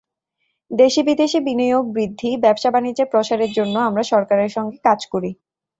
দেশি-বিদেশি বিনিয়োগ বৃদ্ধি, ব্যবসা-বাণিজ্যের প্রসারের জন্য আমরা সরকারের সঙ্গে কাজ করি।